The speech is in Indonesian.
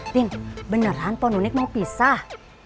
ting beneran po nunik mau pisah